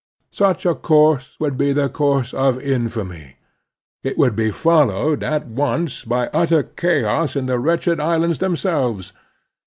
Such a course would be the course of infamy. It would be fol lowed at once by utter chaos in the wretched islands themselves.